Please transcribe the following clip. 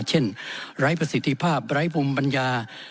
ไร้ประสิทธิภาพไร้ภูมิปัญญา